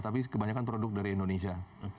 tapi kebanyakan produk dari indonesia